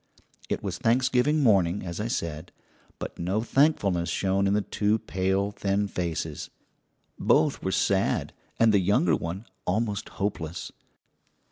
It was Thanksgiving morning, as I said, but no thankfulness shone in the two pale, thin faces. Both were sad, and the younger one almost hopeless.